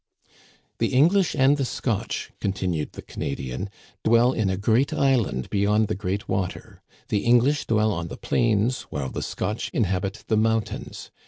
The English and the Scotch," continued the Cana dian, " dwell in a great island beyond the great water. The English dwell on the plains, while the Scotch in habit the mountains.